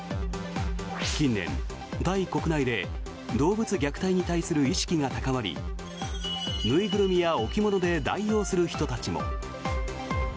近年、タイ国内で動物虐待に対する意識が高まり縫いぐるみや置物で代用する人たちも。